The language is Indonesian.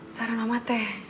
saran mama teh